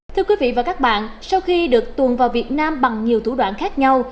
thưa quý vị và các bạn sau khi được tuồn vào việt nam bằng nhiều thủ đoạn khác nhau